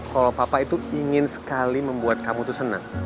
kalau papa itu ingin sekali membuat kamu tuh senang